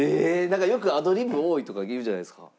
なんかよくアドリブ多いとか言うじゃないですか。